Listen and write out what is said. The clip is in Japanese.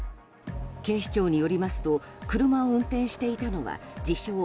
警視庁によりますと車を運転していたのは自称